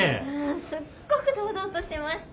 すっごく堂々としてました。